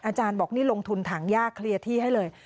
อาจารย์บอกนี่ลงทุนถังยากเคลียร์ที่ให้เลย